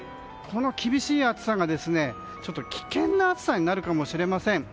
この厳しい暑さが危険な暑さになるかもしれません。